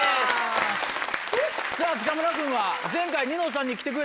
さぁ北村君は前回。